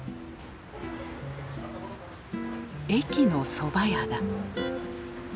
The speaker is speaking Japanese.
駅のそば屋だ。